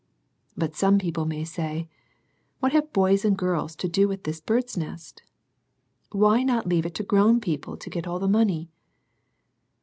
But some people may say, " What have boys and girls to do with this * Bird's Nest?' Why not leave it to grown people to get all the money?